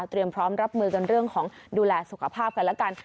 พร้อมรับมือกันเรื่องของดูแลสุขภาพกันแล้วกัน